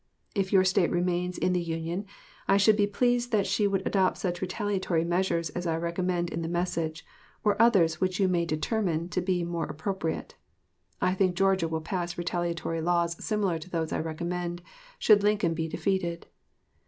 If your State remains in the Union, I should be pleased that she would adopt such retaliatory measures as I recommend in the message, or others which you may determine to be more appropriate. I think Georgia will pass retaliatory laws similar to those I recommend, should Lincoln be defeated.